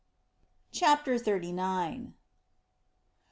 CHAPTER THIRTY NINE.